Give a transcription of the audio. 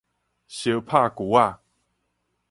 相拍龜仔